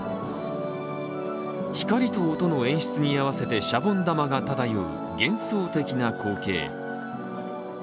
光と音の演出に合わせてシャボン玉が漂う幻想的な光景。